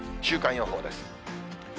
週間予報です。